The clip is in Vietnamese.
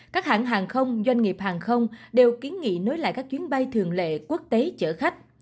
các hãng hàng không doanh nghiệp hàng không đều kiến nghị nối lại các chuyến bay thường lệ quốc tế chở khách